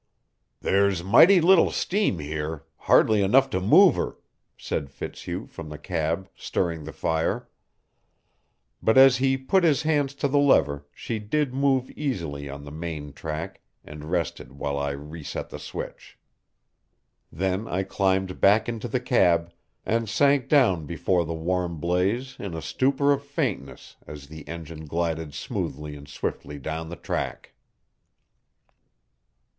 "There's mighty little steam here hardly enough to move her," said Fitzhugh from the cab, stirring the fire. But as he put his hand to the lever she did move easily on to the main track, and rested while I reset the switch. Then I climbed back into the cab, and sank down before the warm blaze in a stupor of faintness as the engine glided smoothly and swiftly down the track.